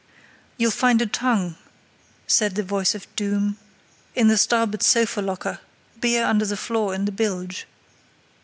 "You'll find a tongue," said the voice of doom, "in the starboard sofa locker; beer under the floor in the bilge.